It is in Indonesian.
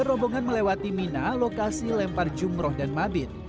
rombongan melewati mina lokasi lempar jumroh dan mabit